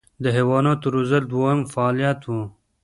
د حیواناتو روزل دویم فعالیت و.